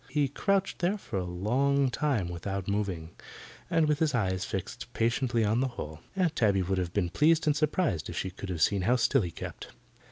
He crouched there for a long time without moving, and with his eyes fixed patiently on the hole. Aunt Tabby would have been pleased and surprised if she could have seen how still he kept.